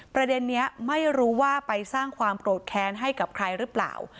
ประเด็นนี้ไม่รู้ว่าไปสร้างความโกรธแค้นให้กับใครหรือเปล่า